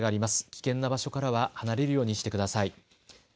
危険な場所からは離れるようにしてください。